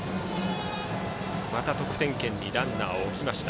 また得点圏にランナー置きました。